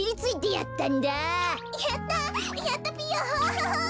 やったぴよん。